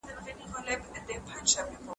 د کرکټ ملي لوبډلې بریاوي لرلې.